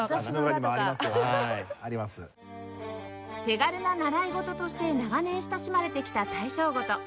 手軽な習い事として長年親しまれてきた大正琴